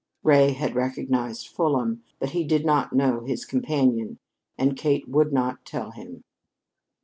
Ray had recognized Fulham, but he did not know his companion, and Kate would not tell him.